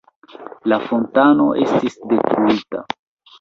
La fontano estis detruita.